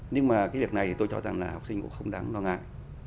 nhưng mà cái việc này tôi cho rằng là học sinh cũng không đáng lo ngại